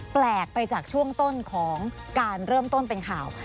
แปลกไปจากช่วงต้นของการเริ่มต้นเป็นข่าว